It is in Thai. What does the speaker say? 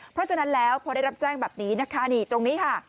เพราะฉะนั้นแล้วพอได้รับแจ้งแบบนี้นะคะนี่ตรงนี้ค่ะ